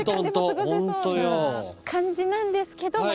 感じなんですけど